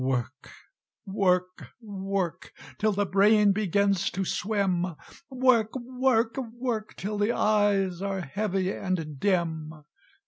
"Work work work Till the brain begins to swim; Work work work Till the eyes are heavy and dim!